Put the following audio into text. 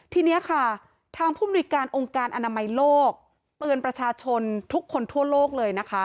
ทีนี้ค่ะทางผู้มนุยการองค์การอนามัยโลกเตือนประชาชนทุกคนทั่วโลกเลยนะคะ